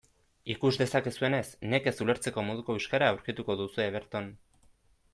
Ikus dezakezuenez, nekez ulertzeko moduko euskara aurkituko duzue berton.